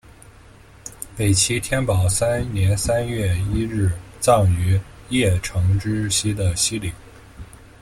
北齐天保三年三月一日葬于邺城之西的西陵。